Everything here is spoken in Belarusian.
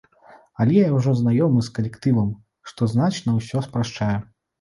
Але я ўжо знаёмы з калектывам, што значна ўсё спрашчае.